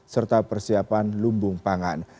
serta persiapan lumbung pangan